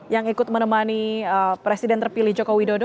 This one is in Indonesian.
yang ikut menemani presiden terpilih joko widodo